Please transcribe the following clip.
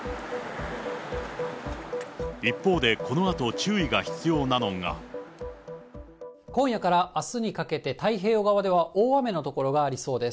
一方で、このあと注意が必要なの今夜からあすにかけて、太平洋側では大雨の所がありそうです。